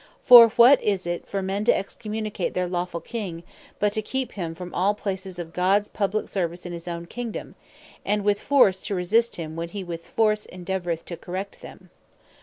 For what is it for men to excommunicate their lawful King, but to keep him from all places of Gods publique Service in his own Kingdom? and with force to resist him, when he with force endeavoureth to correct them?